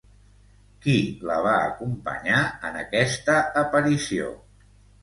Qui la va acompanyar en aquesta aparició?